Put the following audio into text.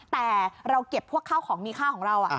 แต่เราเก็บพวกข้าวของมีค่าของเรา